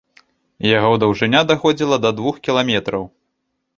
Яго даўжыня даходзіла да двух кіламетраў.